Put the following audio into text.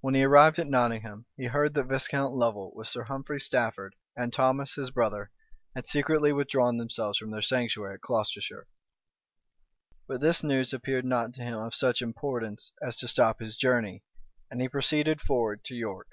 When he arrived at Nottingham, he heard that Viscount Lovel, with Sir Humphrey Stafford, and Thomas his brother, had secretly withdrawn themselves from their sanctuary at Colchester: but this news appeared not to him of such importance as to stop his journey; and he proceeded forward to York.